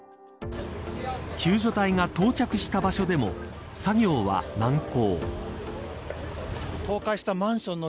救助隊が到着した場所でも作業は難航。